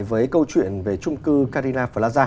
với câu chuyện về trung cư carina plaza